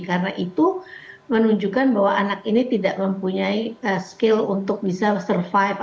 karena itu menunjukkan bahwa anak ini tidak mempunyai skill untuk bisa survive